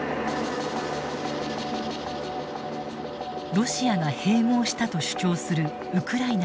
ロシアが併合したと主張するウクライナ